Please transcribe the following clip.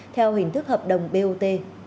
theo hình thức hợp đồng bot